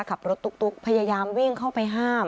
ขับรถตุ๊กพยายามวิ่งเข้าไปห้าม